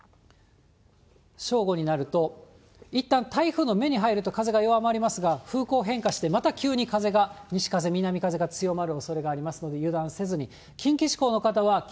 正午になると、いったん台風の目に入ると、風が弱まりますが、風光をまた風が西風、南風が強まるおそれがありますので、油断せずに。